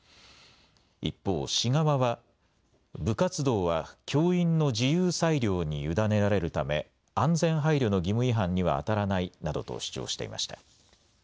一方、市側は部活動は教員の自由裁量に委ねられるため安全配慮の義務違反にはあたらないなどと主張していました。